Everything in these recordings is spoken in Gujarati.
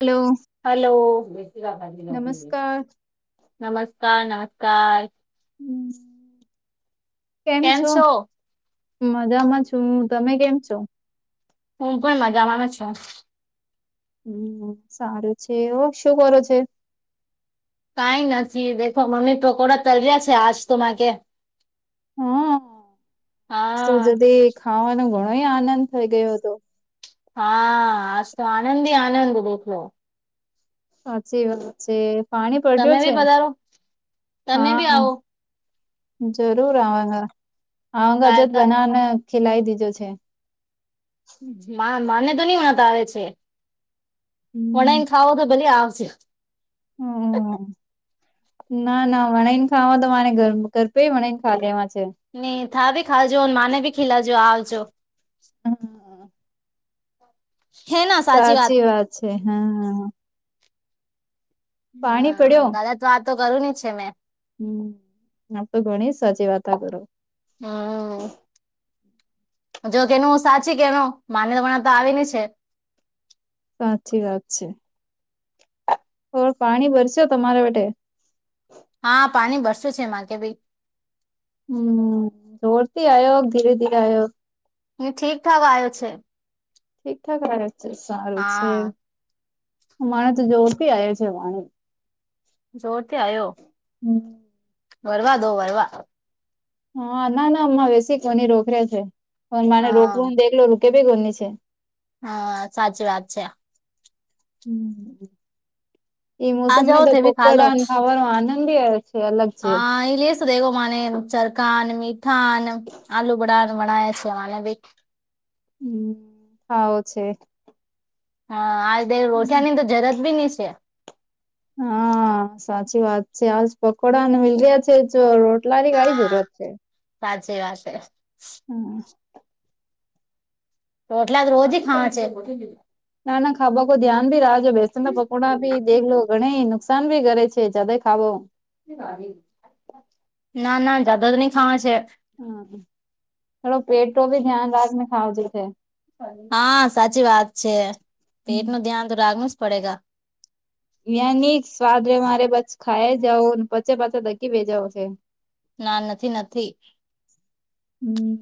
હલો હલો બે નમસ્કાર નમસ્કાર નમસ્કાર હમ કેમ છો મજામાં છું તમે કેમ છો હું પણ મજામાં છુ. હમ, સારું છે. ઓ શું કરો છે? કંઈ નથી દેખો મમ્મી પકોડા તલ્યા છે, આજ તોમાં કે હા, તો હા જતે ખાવાનો ઘણોય આનંદ થઈ ગયો હતો. હા, આ તો આનંદ આનંદ દેખલો. સાચી વાત છે. પાણી તમે પડ્યું બી છે, પધારો તમે બી હા. આવો જરૂર આવાના આવાના જત બનાવને ખીલાઈ દીજો છે. માને તો નહી વણતા આવે છે, ઓન હમ ખાવો તો ભલે આવજે. હમ [unintelligible] ના, ના, વણ ને ખાવા તો મારે ગરપે વણ ને ખા લેવા છે. નહીં, થા બી ખા જો મને ભી ખીલાા જો આજો. હમ, હે ના. સાચી વાત છે. હા, હા. પાણી હા, ગલત વાત કરું છે ને. હમ, આપ તો ઘણી સાચી વાત કરો. હમ. જો કેનું હું સાચી કેનો માન્યતાણા તો આવી છે. સાચી વાત છે. તો પાણી ભરસો તમારા માટે. હા, પાણી વરસે છે, એમાં કે ભાઈ. હમ, જોરથી આયો કે ધીરે ધીરે આયો? ઠીકઠાક આવ્યો છે. ઠીક ઠાક રહેે છે, સારું છે. હા મારે તો જોરતી આવે છે પાણી. જોરથી આવ્યો, હમ્મ વરવા દો વરવા. હા ના, ના અમાં વસી કોની રોકરે છે, પણ મને હા રોકવુંને દેખલો રૂકે બી કોની છે. હા, સાચી વાત છે. હ, આ મોસમ મે જાઓ તો તે ભી ખા લો પકોડા અને ખાવાનો આનંદ આવે છે. અલગ છે હા, એલેસ દેગો મને ચરકા મીઠ [unintelligible] હા, ને આલુ બઢણ બનાયા સવાના [unintelligible] હમ, હા ઓ છે. હા આ બે રોષિયા ની તો જરત બી નની છે [unintelligible] હા. હા, સાચી વાત છે. આજ પકોડાને મીલ રહ્યા છે, તો રોટલાની હા કંઈ જરૂરત છે. સાચી વાત. હમ. રોટલા જ રોજ ખાવા છે. ના, ના, ખાવા કો ધ્યાન ભી રાખજો, બેસણના પકોડા, ભ દેખ લો ઘણે નુકાન. [unintelligible] તમે ઘરે છે, તમે ખાવો? ના, ના, જદા તો નહી ખાવા છે. હમ, થોડો પેટો ભી ધ્યાન રાખને ખાવજો છે. હા, સાચી વાત છે. પેટ નું ધ્યાન તો રાખવું જ પડશે. યાં નની સ્વાદ રે મારે બછ ખાઈ જવ પછે પાછા ધકી બેે જાાવ છે [unintelligible] ના નથી નથી. હમ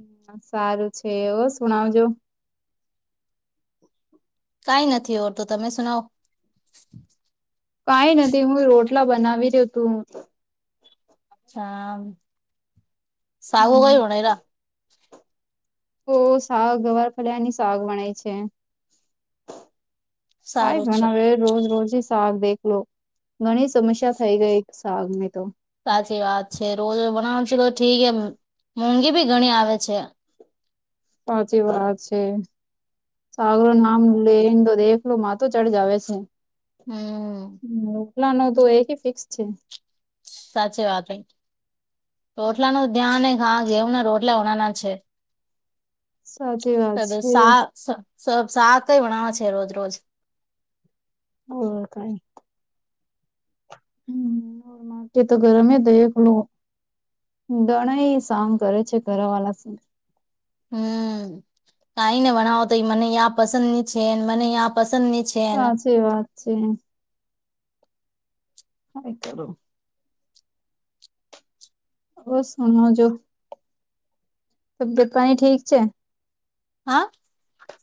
સારું છે ઔવો સુણાવજો. કઈ નથી હોર તો તમે સુનાવ કંઈ નથી હું રોટલા બનાવી દે તું. છા સાગો કઈ હોનારા [unintelligible] તો શાક અવાર ફડ્યાની શાક વણાય છે. [unintelligible] કાંઈ સારું છે બનાવે એ જ. રોજ રોજ શાક દેખલો, ઘણી સમસ્યા થઈ ગઈ, એક શાક ને તો સાચી વાત છે. રોજ બનાવવાનું છે, તો ઠીક, એ મોંઘી ભી ઘણી આવે છે. સાચી વાત છે. સાગરો નામ લેન તો દેખલો માતો ચડ જ આવે છે. હમ‌. હ ઓલા નો તો એક ફિક્સ છે. સાચી વાત હે રોટલા નો ધ્યાન હા ગેવ ના રોટલા ઓનાના છે. સાચી વાત છે સા સા સાગ કઈ વણવા છે રોજ રોજ. ઓ કઈ હ માકે તો ગરમે દેખ લો ઘણ એ સાગ કરે છે ઘર વાળાલા સ હમ કઈ ને ભણાવો તો મને યા પસંદ ની છે મને યા પસંદ ની છે. હાચી વાત છે. આતલ [unintelligible] ઓ શુણો જો તબિત પાણી ઠીક છે. હા.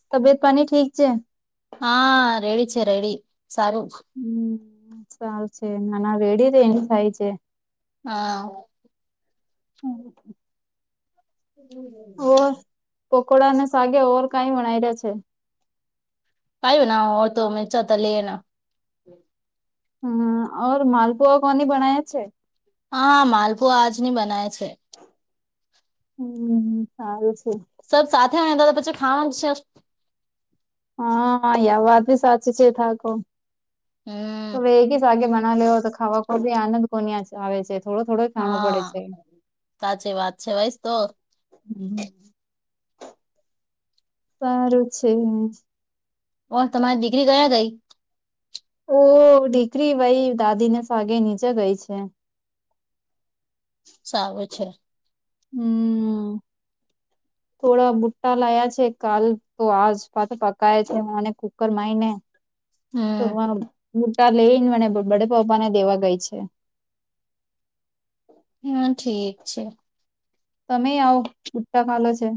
તબિયત પાણી ઠીક છે. હા રેડી છે રેડી સારું હમ સારું છે નાના વેડી રેને થાય છે હા ઓર હી પકોડા અને સાગ ઓવર કઈ વના રહ્યા છે. કાય્યું ના ઓડ તો મિંચાતલ્ એન હમ ઔર માલપુવા કોની બનાયા છે. હા માલપુઆ આજ ની બનાય છે. હમ સારું છે. સબ સાથે હો દ તો પછી ખાવાનું છે. હા આ વાત ભી સાચી છે થાકો હમ તો એક જ સાગે બના લેવ તો ખાવા ખવા આનંદ કોણી આવે છે. થોડો થોડો ખાણો પડે હા છે હ સાચી વાત છે ભાઈ તો સારું છે. ઓ તમારી દિગ્રી કયા ગઈ. ઓહ દીકરી વાઈ દાદી ને સાગે નીચે ગઈ છે. સારું છે. હમ [inaudible] થોડા બુટ્ટા લાયા છે કાલ તો આજ પા પકાય છે અને કુકર માય ને [inaudible] તો ભુટૃઆ લઈને મને બડે પપ્પા ને દેવા ગઈ છે. હા ઠીક છે. તમે આવ ભુટ્ટા ખાલો છે.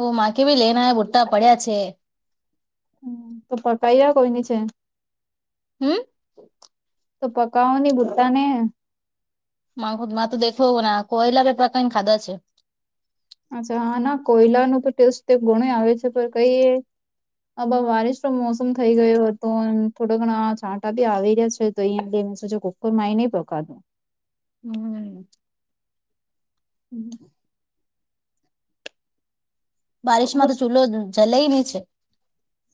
ઓ મા ભી લેના બુટ્ટા પડ્યા છે. હમ તો પકાઈ કોઈ ની છે. હમ્મ. તો પકઓો ની ભુટ્ટા ને મા મા તો દેખો ના કોયલા ર ર એ પ્ર કા ન ખાદા છે. અચ્છા હા ના કોયલા નુ તો ટેસ્ટ તે ગણું આવે છે પણ કઈ હે આ વારિશ નો મોસમ થઈ ગયો હતો અને થોડા ઘણા છાંટા બી આવી રહ્યા છે. તો એમ ડીમ સોછ કૂકર માં એ ને પકાડું હમ હમ. બારિશમાં તો ચૂલો જલેય નહી છે.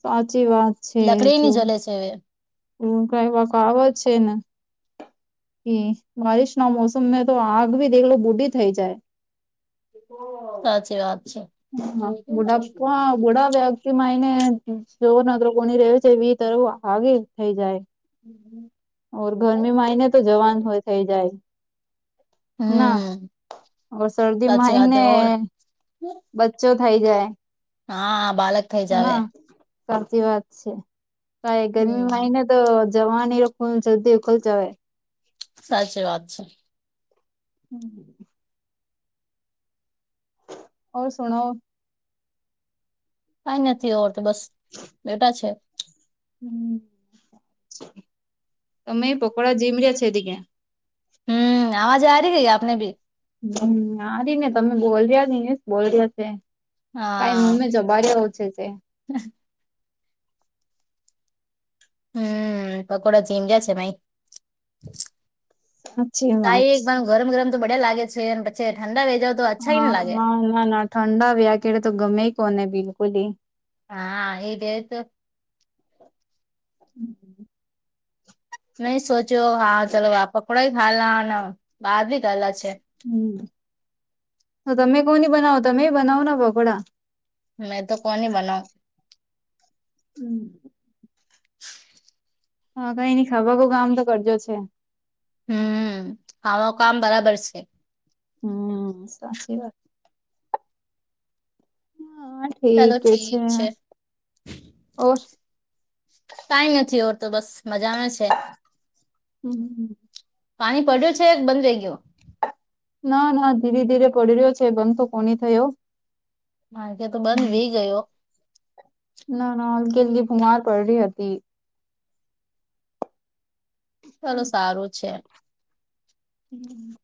સાચી વાત છે લકડી ની જો. જલે છે હવા આવે છે ને. હમ્મ બરિશ ના મોસમમાં તો આગ ભી દેલો બુઢ થઈ જાય. સાચી વાત છે. હા બુડાાપવા [unintelligible] ઘોડા વ્યક્તિ માં એને જોર ન કોની રહે્યો છે એ તર આગે થઈ જાય. હમ્મ. ઓર ગરમી માં આવીઈ ને તો જવાનું હોય થઇ જાય. હમ ના શરદીમાં સાચી વાત હે ઓર આવીયને બચો થઇ જાય. હા બાાલક. ના સાચી વાત છે ક એ ગરમી હમ મા ને તો જવાની એ લોકો જલ્દી ઉલ જવા. સાચી વાત છે. હમ્મ હ. ઓ સુણો. કઈ નથી આવરત બસ બેટા છે. હ તમે એ પકોોડા જીમરી છે દ કે્યા. હમ્મ આવાજ આ રહી ગઈ આપને ભી. હમ્મ આર ઈ ને તમે બોલ્યા ને એ બોલ્યા છે. કઈ મૂમે જબડીઓ આવ છે તે. હમ્મ. હમ્મ પકોડા જીમ જ છે મા. અચ્છી વાત તાાઈ છે એકવાર ગરમ ગરમ તો બડ્યા લાગે છે પછી ઠંડા વે જાવ તો અચ્છા ઈ ન હા લાગે ના ના ના ઠંડા વયા કે તો ગમે કોને બિલકુલ હ. હા એ જ તો. હમ્મ. મે સોચ્યો હા ચલો વા પકકોડાો ખા લ બહાર ભી ગાલા છે. હમ્મ તો તમે કોની બનાવો તમે બનાવો ના પકોોડા. મેં તો કોન બનાવ. હમ્મ. હા કઈ નની ખા કામ તો કરજો છે. હમ્મ આમાં કામ બરાબર છે. હમ્મ સાચી વાત. હા ચલોો છે ઠીક છે. ઓર કાઈ નથી ઓતો બસ મજામાં છે. પાણી પડ્યું છે બંધ થયો. ના ના ધીરે ધીરે પડી રહ્યો છે બન તો કોની થયો. મા કે તો બંધ વે ગયો. ના ના હલકી હલકી બીમાર પડહી હતી. ચાલો સારું છે. હમ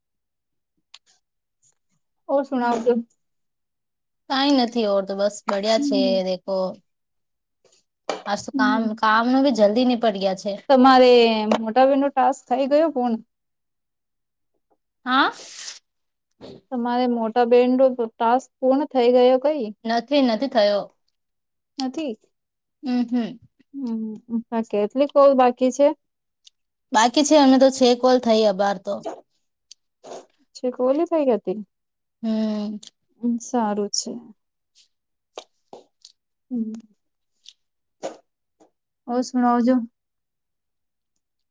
ઓ સુણવ છું કઈ નથી ઓર તો બસ બડિયા છે દેખો. આજ તો કામ કામ નો બી જલ્દી નિપટ ગયાં છે. તમારે મોટા બેન ટાસ્ક થઈ ગયો કોની હા. તમારે મોટા બેન નો ટાસ્ક પૂર્ણ થઈ ગયો કઈ. નથી નથી થયો. નથી. હમ્મ. હમ્મ હા કેટલીક કોલ બાકી છે. બાકી છે અમે તો છે કોલ થઈયા બાર તો અચ્છા કોલ ભાઈ ગ તે હમ સારું છે ઓ સુનાઓ જો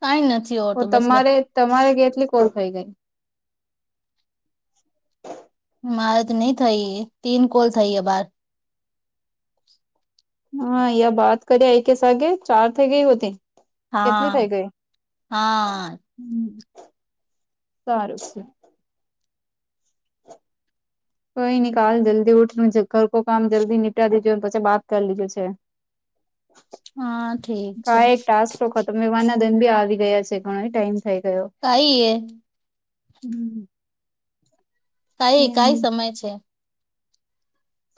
કાંય નથી. ઓર ઓ તો બસ બે તમારે તમારે કેટલી કોળ થ‌ઈ ગઈ. મારે તો ન‌ઉ થઈ તીન કોલ થઈ બાર. હા યે બાત કર્યા એ કે સાગે ચાર થ‌ઈ ગઈ હોતી. કેટલી હા થઇ ગઈ હા સારું છે કોઈ ન કાલ જલ્દી ઉઠ છે ઘર કો કામ જલ્દી નિપટા દેતો પછી બાત કરી લીજો છે. હા ઠીક છે‌. મેવાના દન બી આવી ગયા છે ઘણો ટાઈમ થઈ ગયો. કઈ એ હમ. [unintelligible] કાઈ કાઈ સમય છે.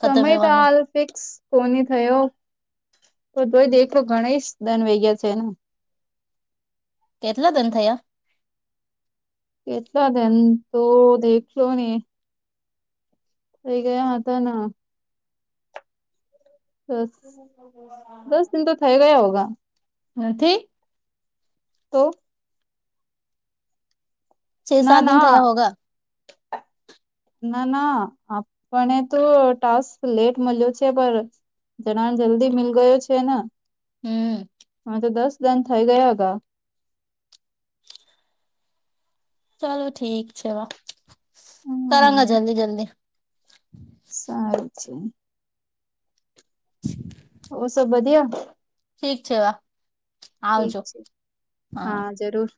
ખતમ તો રહેવાનું આલ. ફિક્સ કોની થયો તો ધય દેખલો ઘણ દંન વૈ ગયા છે ને. કેટલા ધન થયા. કેટલા દન તો દેખ્યો ને. એ ગયાં હતાં ના દસ દસ દિન તો થઈ ગયા હોગા. નથી. તો. છ ના સાત દિન ના. થયા હોગા [inaudible] ના ના આપણે તો ટાસ્ક લેટ મળ્યો છે પર. ઈતના જલ્દી મિલ ગયો છે ને હમ અમે તો દસ દિન થઈ ગયા હોગા. ચાલો ઠીક છે વા કરંગા હમ જલ્દી જલ્દી. સાર છે. ઓ સબ વઘિયા ઠીક છે વા. ઠીક આવજો છે હા જરૂર.